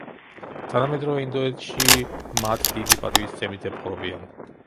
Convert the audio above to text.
თანამედროვე ინდოეთში მათ დიდი პატივისცემით ეპყრობიან.